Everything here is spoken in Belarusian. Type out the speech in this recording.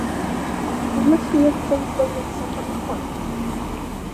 Вось нехта, здаецца, падыходзіць.